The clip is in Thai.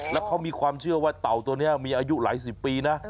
แล้วเขามีความเชื่อว่าเต่าตัวนี้มีอายุหลายสิบปีนะ